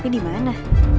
gak ada apa apa